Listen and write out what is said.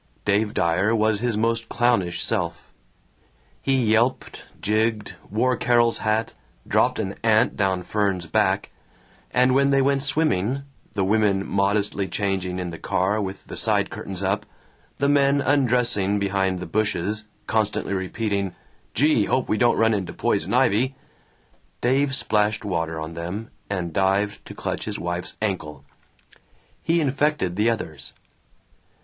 Dave Dyer was his most clownish self. He yelped, jigged, wore Carol's hat, dropped an ant down Fern's back, and when they went swimming (the women modestly changing in the car with the side curtains up, the men undressing behind the bushes, constantly repeating, "Gee, hope we don't run into poison ivy"), Dave splashed water on them and dived to clutch his wife's ankle. He infected the others.